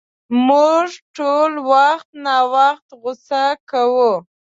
مونږ ټول وخت ناوخته غصه کوو.